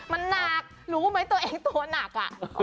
มันหนักรู้ไหมตัวเองตัวหนัก